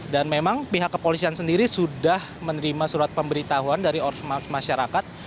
dan memang pihak kepolisian sendiri sudah menerima surat pemberitahuan dari masyarakat